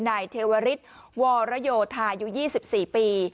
นายเทวาริสวอรโยทายุยี่สิบสี่ปี